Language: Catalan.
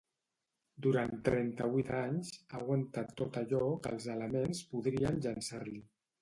Durant trenta-vuit anys, ha aguantat tot allò que els elements podrien llançar-li.